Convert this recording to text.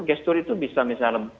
gestur itu bisa misalnya